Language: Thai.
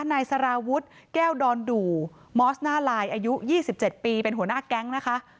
นายสารวุฒิแก้วดอนดูมอสหน้าลายอายุ๒๗ปีเป็นหัวหน้าแก๊งนะคะ